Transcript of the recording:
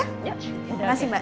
terima kasih mbak